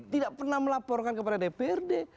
tidak pernah melaporkan kepada dprd